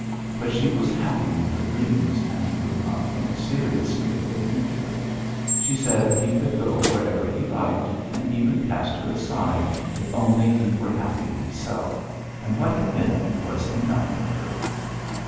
But she was happy in her dreams and would not think seriously of the future. She said he could go wherever he liked and even cast her aside, if only he were happy himself, and what had been was enough for her.